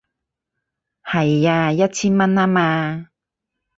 係啊，一千蚊吖嘛